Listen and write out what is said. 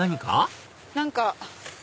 何か？